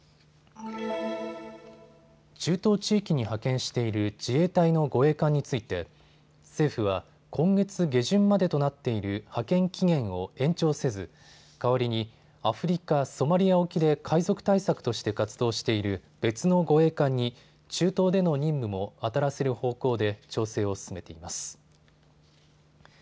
中東地域に派遣している自衛隊の護衛艦について政府は今月下旬までとなっている派遣期限を延長せず代わりにアフリカ・ソマリア沖で海賊対策として活動している別の護衛艦に中東での任務もあたらせる方向で調整を進めています。